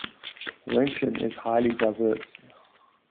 Wenshan is highly diverse.